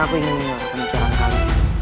kau yang menggunakan ambilan kami